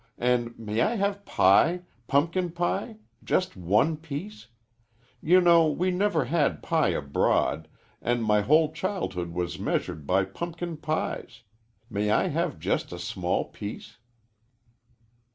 And may I have pie pumpkin pie just one piece? You know we never had pie abroad, and my whole childhood was measured by pumpkin pies. May I have just a small piece?"